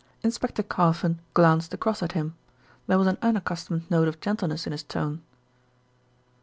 Inspector Carfon glanced across at him. There was an unaccustomed note of gentleness in his tone.